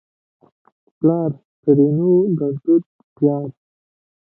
پلار؛ ترينو ګړدود پيار